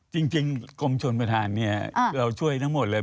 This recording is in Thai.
จริงกรมชนประธานเนี่ยเราช่วยทั้งหมดเลย